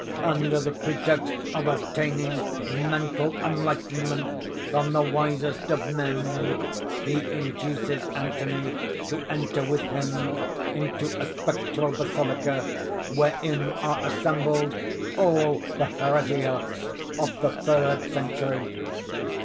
Under the pretext of obtaining mental enlightenment from the wisest of men, he induces Anthony to enter with him into a spectral basilica, wherein are assembled all the Heresiarchs of the third century.